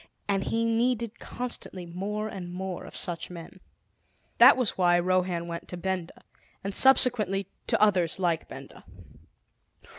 And he needed constantly more and more of such men. That was why Rohan went to Benda, and subsequently to others like Benda.